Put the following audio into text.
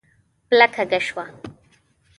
پله کږه شوه.